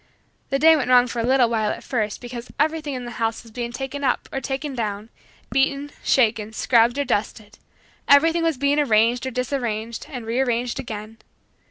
The day went wrong for a little while at first because everything in the house was being taken up, or taken down, beaten, shaken, scrubbed or dusted; everything was being arranged or disarranged and rearranged again.